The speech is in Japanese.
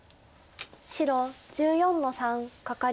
白１４の三カカリ。